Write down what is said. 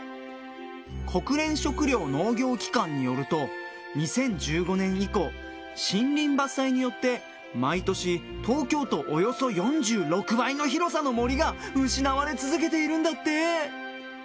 国連食糧農業機関によると２０１５年以降森林伐採によって、毎年東京都およそ４６倍の広さの森が失われ続けているんだって。